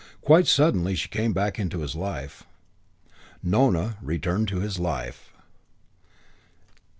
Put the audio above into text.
Quite suddenly she came back into his life. Nona returned into his life.